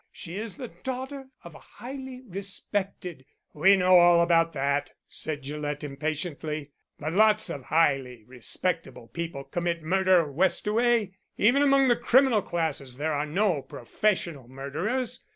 She is the daughter of a highly respected " "We know all about that," said Gillett impatiently. "But lots of highly respectable people commit murder, Westaway. Even among the criminal classes there are no professional murderers.